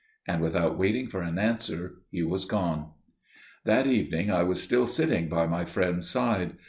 And without waiting for an answer he was gone. That evening I was still sitting by my friend's side.